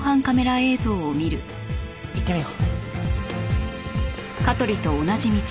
行ってみよう。